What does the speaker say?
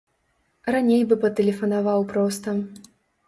Раней бы патэлефанаваў проста.